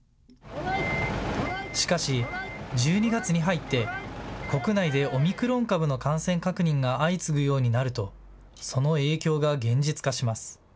しかし、１２月に入って国内でオミクロン株の感染確認が相次ぐようになるとその影響が現実化します。